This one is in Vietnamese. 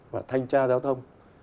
và thanh tra giao thông